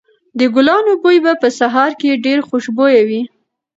د ګلانو بوی په سهار کې ډېر خوشبويه وي.